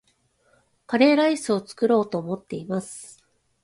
カレーライスを作ろうと思っています